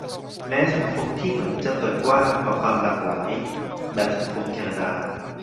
แม้สังคมที่เหมือนจะเปิดกว้างต่อความหลากหลายแบบสังคมแคนนาดา